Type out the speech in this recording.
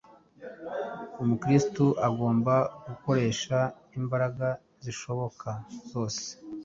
umukristo agomba gukoresha imbaraga zishoboka zose